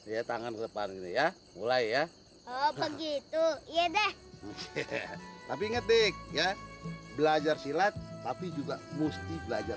ya tangan depan ya mulai ya begitu iya deh tapi ngetik ya belajar silat tapi juga musti belajar